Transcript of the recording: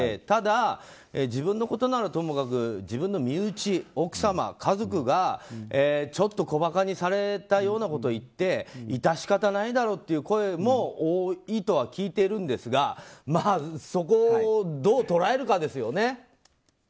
ただ、自分のことならともかく自分の身内、奥様、家族がちょっと小ばかにされたようなことを言って致し方ないだろうという声も多いとは聞いているんですがそこ、どう捉えるかですよね。